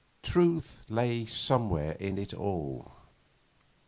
Truth lay somewhere in it all.